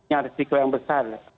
yang bersiku yang besar